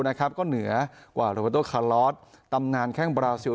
นะครับก็เหนือกว่าลูบัตโฮรอสตำนานแค่งบราเซีล